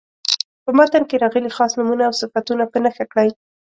په متن کې راغلي خاص نومونه او صفتونه په نښه کړئ.